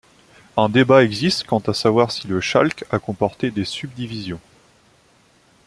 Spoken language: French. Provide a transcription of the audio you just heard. Un débat existe quant à savoir si le chalque a comporté des subdivisions.